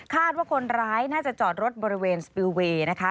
ว่าคนร้ายน่าจะจอดรถบริเวณสปิลเวย์นะคะ